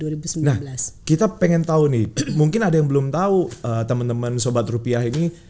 kita pengen tahu nih mungkin ada yang belum tahu teman teman sobat rupiah ini